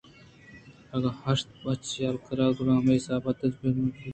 اگاں ہشت بج ءَ یک راہے گڑا ہمے سُہب ءِ دہ بج ءِ راہ مٹ اِنت